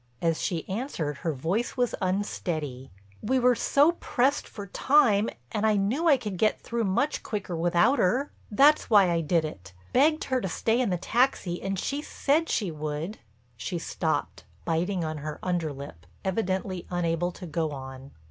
As she answered her voice was unsteady: "We were so pressed for time and I knew I could get through much quicker without her. That's why I did it—begged her to stay in the taxi and she said she would,"—she stopped, biting on her under lip, evidently unable to go on.